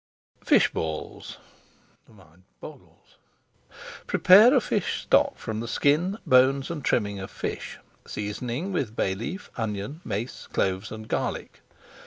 FISH BALLS Prepare a fish stock from the skin, bones, and trimmings of fish, seasoning with bay leaf, onion, mace, cloves, and garlic.